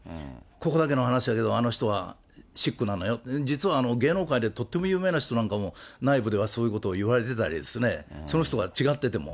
ここだけの話だけど、あの人は食口なのよ、実は芸能界でとっても有名な人なんかも、内部ではそういうことを言われてたりですね、その人が違ってても。